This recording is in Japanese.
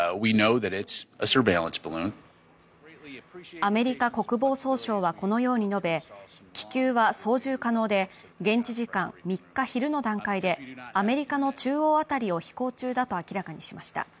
アメリカ国防総省はこのように述べ気球は操縦可能で現地時間３日昼の段階で、アメリカの中央辺りを飛行中だと明らかにしました。